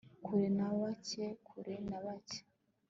Kure na bake kure na bake